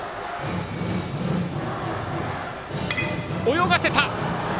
泳がせた！